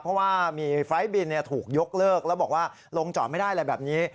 เพราะว่ามีไฟล์บินถูกยกเลิกแล้วบอกว่าลงจอดไม่ได้อะไรแบบนี้